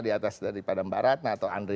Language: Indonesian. di atas dari padang barat atau andri